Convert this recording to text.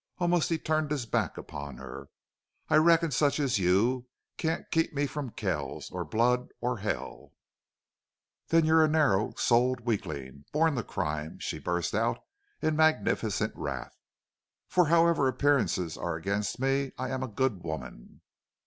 Almost he turned his back upon her. "I reckon such as you can't keep me from Kells or blood or hell!" "Then you're a narrow souled weakling born to crime!" she burst out in magnificent wrath. "For however appearances are against me I am a good woman!"